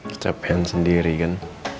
kecapean sendiri kan